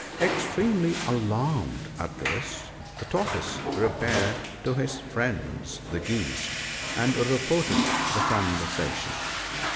Extremely alarmed at this, the Tortoise repaired to his friends the Geese, and reported the o do, Gossips